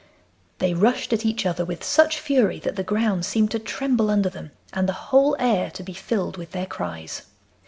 They rushed at each other with such fury that the ground seemed to tremble under them and the whole air to be filled with their cries.